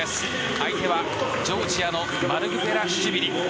相手はジョージアのマルクベラシュビリ。